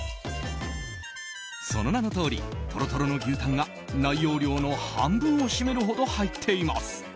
その名のとおりトロトロの牛たんが内容量の半分を占めるほど入っています。